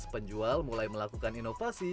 penjual mulai melakukan inovasi